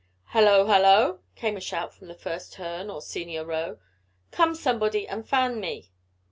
"Hello! Hello!" came a shout from the first turn or senior row. "Come, somebody, and fan me!"